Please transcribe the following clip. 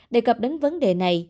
đề cập đến vấn đề này